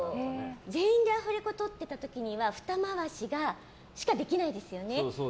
全員でアフレコとってた時にはふた回ししかできないですよね。